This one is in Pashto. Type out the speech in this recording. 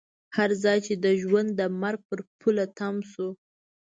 هر ځای چې ژوند د مرګ پر پوله تم شو.